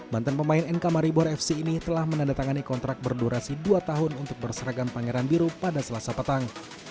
banten pemain nk maribor fc ini telah menandatangani kontrak berdurasi dua tahun untuk berseragam pangeran biru pada selasa petang